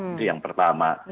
itu yang pertama